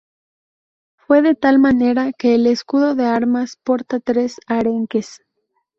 Fue de tal manera que el escudo de armas porta tres arenques.